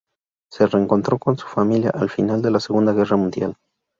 Se reencontró con su familia al final de la Segunda Guerra Mundial.